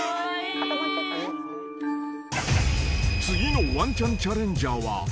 ［次のワンチャンチャレンジャーは］